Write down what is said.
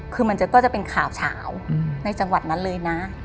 คือมันก็จะเป็นข่าวเฉาในจังหวัดนั้นเลยนะ